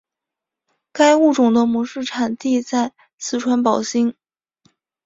该物种的模式产地在四川宝兴。